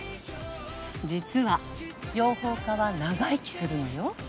実は養蜂家は長生きするのよ。